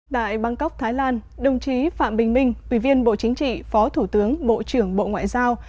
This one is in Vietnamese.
tại bangkok thái lan đồng chí phạm bình minh ủy viên bộ chính trị phó thủ tướng bộ trưởng bộ ngoại giao